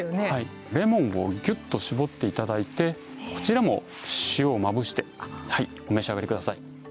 レモンをギュッと搾っていただいてこちらも塩をまぶしてお召し上がりください。